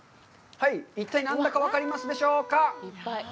一体何だか分かりますでしょうか。